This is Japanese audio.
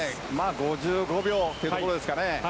５５秒ってところですかね。